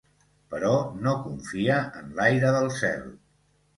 Però no confia en l’aire del cel.